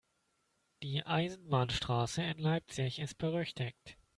Die Eisenbahnstraße in Leipzig ist berüchtigt.